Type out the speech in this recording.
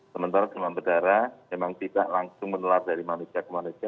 sementara demam berdarah memang tidak langsung menular dari manusia ke manusia